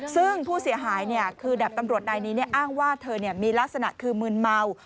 ซึ่งผู้เสียหายเนี่ยคือดาบตำรวจในนี้เนี่ยอ้างว่าเธอเนี่ยมีลักษณะคือมึนเมา